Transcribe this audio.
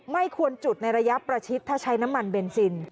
ไม่ควรจุดในระยะประชิดถ้าใช้น้ำมันเบนซิน